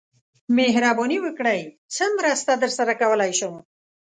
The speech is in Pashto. مهرباني وکړئ څه مرسته درسره کولای شم